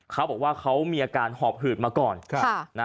เขาบอกว่าเขามีอาการหอบหืดมาก่อน